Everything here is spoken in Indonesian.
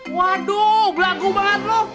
waduh berlaku banget lu